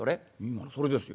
「今のそれですよ。